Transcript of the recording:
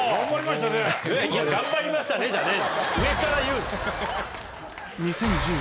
「頑張りましたね！」じゃねえ。